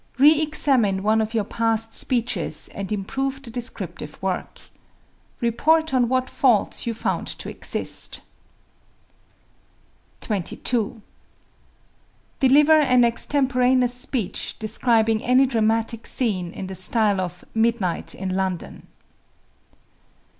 Reëxamine one of your past speeches and improve the descriptive work. Report on what faults you found to exist. 22. Deliver an extemporaneous speech describing any dramatic scene in the style of "Midnight in London."